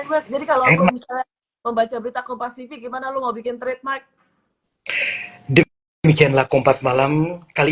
kalau misalnya membaca berita kompas tv gimana lu mau bikin trademark demikianlah kompas malam kali